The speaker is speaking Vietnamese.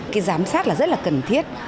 cái giám sát là rất là cần thiết